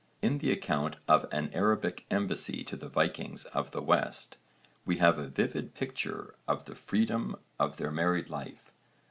In the account of an Arabic embassy to the Vikings of the west (v. supra, p. 20) we have a vivid picture of the freedom of their married life.